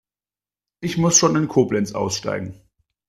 Ich muss schon in Koblenz aussteigen